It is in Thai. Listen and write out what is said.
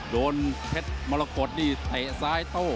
โดนเพชรมะละกดที่เตะซ้ายโต้